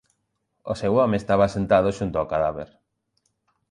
O seu home estaba sentado xunto ó cadáver.